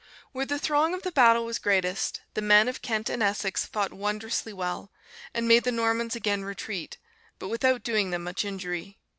"Where the throng of the battle was greatest, the men of Kent and Essex fought wondrously well, and made the Normans again retreat, but without doing them much injury.